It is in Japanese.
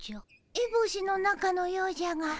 えぼしの中のようじゃが。